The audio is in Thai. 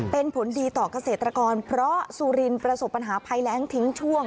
เป็นผลดีต่อเกษตรกรเพราะสุรินประสบปัญหาภัยแรงทิ้งช่วง